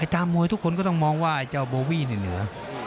ตามวยทุกคนก็ต้องมองว่าเจ้าโบวี่เนื้อ